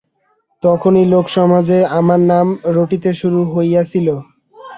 তখনই লোকসমাজে আমার নাম রটিতে শুরু হইয়াছিল।